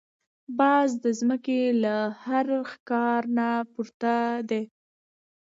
باز د زمکې له هر ښکار نه پورته دی